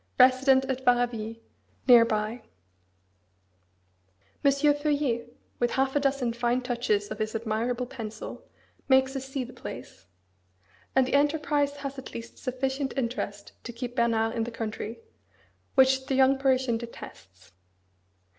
resident at Varaville, near by. M. Feuillet, with half a dozen fine touches of his admirable pencil makes us see the place. And the enterprise has at least sufficient interest to keep Bernard in the country, which the young Parisian detests.